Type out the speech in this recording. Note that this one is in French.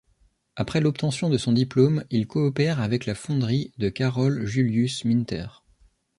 Après l'obtention de son diplôme, il coopère avec la fonderie de Karol Juliusz Minter.